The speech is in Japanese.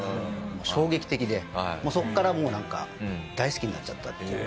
衝撃的でもうそこからなんか大好きになっちゃったっていう。